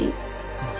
あっ。